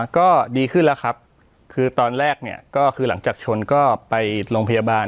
ก็ดีขึ้นแล้วครับคือตอนแรกเนี่ยก็คือหลังจากชนก็ไปโรงพยาบาล